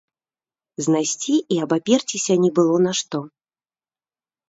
Знайсці і абаперціся не было на што.